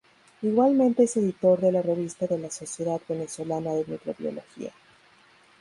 Igualmente es editor de la Revista de la Sociedad Venezolana de Microbiología.